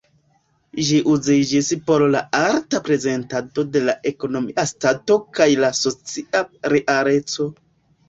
Ĝi uziĝis por la arta prezentado de la ekonomia stato kaj la socia realeco.